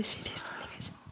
お願いします。